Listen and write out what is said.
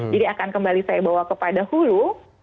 jadi akan kembali saya bawa kepada hulu